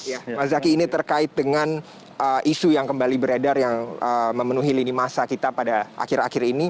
ya mas zaky ini terkait dengan isu yang kembali beredar yang memenuhi lini masa kita pada akhir akhir ini